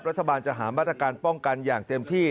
รัฐบาลจะหามาตรการป้องกันอย่างเต็มที่